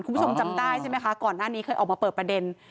คุณผู้ชมจำได้ใช่ไหมคะก่อนหน้านี้เคยออกมาเปิดประเด็น